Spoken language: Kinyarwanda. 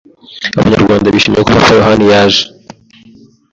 Abanyarwanda bishimiye ko Papa Yohani yaje